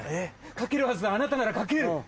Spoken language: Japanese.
書けるはずだあなたなら書ける！